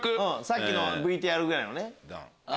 さっきのＶＴＲぐらいの。